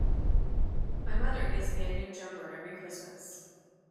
My mother gives me a new jumper every Christmas